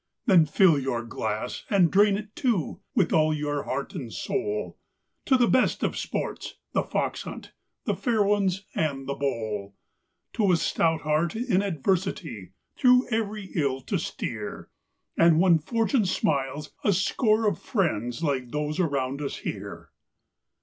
Then fill your glass, and drain it, too, with all your heart and soul, To the best of sports The Fox hunt, The Fair Ones, and The Bowl, To a stout heart in adversity through every ill to steer, And when Fortune smiles a score of friends like those around us here.